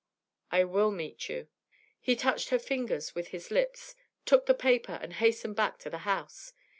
'I will meet you.' He touched her fingers with his lips, took the paper, and hastened back to the house.